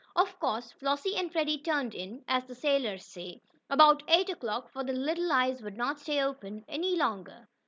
Of course Flossie and Freddie "turned in," as sailors say, about eight o'clock, for their little eyes would not stay open any longer.